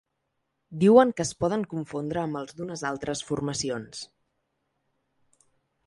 Diuen que es poden confondre amb els d’unes altres formacions.